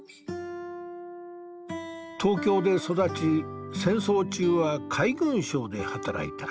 東京で育ち戦争中は海軍省で働いた。